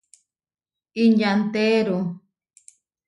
Inyanteéru.